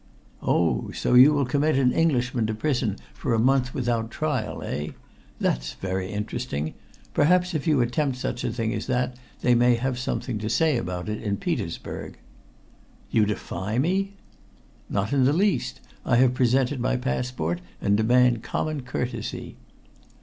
"Oh! so you will commit an Englishman to prison for a month, without trial eh? That's very interesting! Perhaps if you attempt such a thing as that they may have something to say about it in Petersburg." "You defy me!" "Not in the least. I have presented my passport and demand common courtesy."